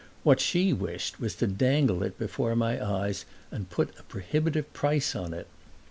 What she wished was to dangle it before my eyes and put a prohibitive price on it.